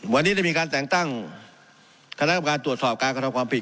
วันนี้ได้มีการแต่งตั้งคณะกรรมการตรวจสอบการกระทำความผิด